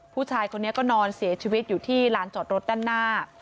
ผู้ชายคนนี้ก็นอนเสียชีวิตอยู่ที่ลานจอดรถด้านหน้า